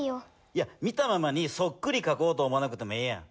いや見たままにそっくりかこうと思わなくてもええやん。